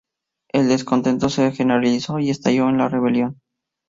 El descontento se generalizó y estalló la rebelión.